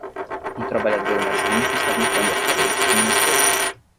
Um trabalhador mais limpo está limpando as paredes de um metrô